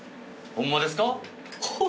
ホンマですか。